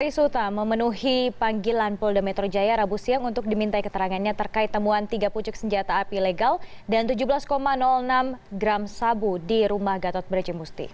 trisuta memenuhi panggilan polda metro jaya rabu siang untuk diminta keterangannya terkait temuan tiga pucuk senjata api legal dan tujuh belas enam gram sabu di rumah gatot brejemusti